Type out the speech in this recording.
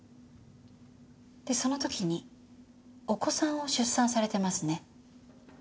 でその時にお子さんを出産されてますね？